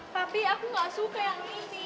tapi aku gak suka yang ini sih